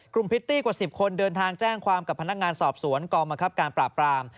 พริตตี้กว่า๑๐คนเดินทางแจ้งความกับพนักงานสอบสวนกองบังคับการปราบราม